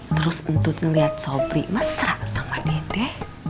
terus untuk melihat sobri mesra sama dede